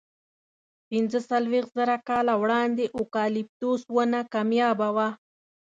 پینځهڅلوېښت زره کاله وړاندې اوکالیپتوس ونه کمیابه وه.